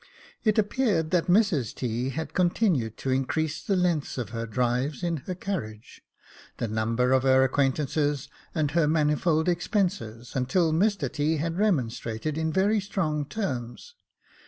It appeared that Mrs T. had continued to increase the lengths of her drives in her carriage, the number of her acquaintances, and her manifold expenses, until Mr T. had remonstrated in very strong terms.